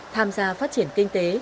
tham gia phát triển kinh tế